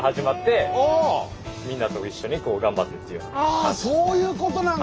あそういうことなんだ！